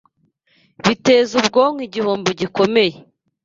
biteza ubwonko igihombo gikomeye